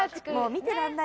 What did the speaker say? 見てらんない。